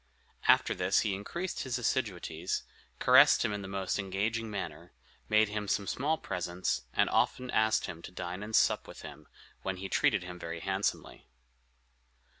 After this he increased his assiduities, caressed him in the most engaging manner, made him some small presents, and often asked him to dine and sup with him, when he treated him very handsomely.